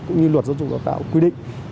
cũng như luật giáo dục và đào tạo quy định